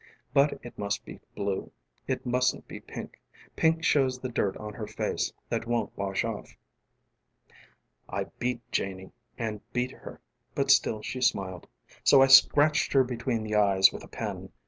But it must be blueŌĆö it mustn't be pinkŌĆö pink shows the dirt on her face that won't wash off. :: ┬Ā┬ĀI beat Janie ┬Ā┬Āand beat herŌĆ" ┬Ā┬Ābut still she smiledŌĆ" ┬Ā┬Āso I scratched her between the eyes with a pin.